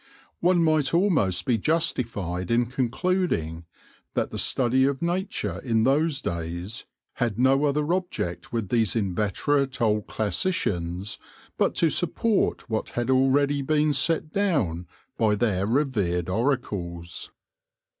One might almost be justified in concluding that the study of nature in those days had no other object with these inveterate old classicians but to support what had already been set down by their revered oracles.